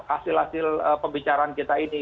hasil hasil pembicaraan kita ini